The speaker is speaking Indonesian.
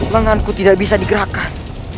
lenganku tidak bisa digerakkan